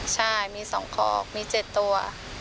ใช่มีสองข้อกมีเจ็ดตัว